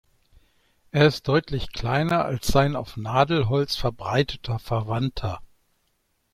Er ist deutlich kleiner als sein auf Nadelholz verbreiteter Verwandter.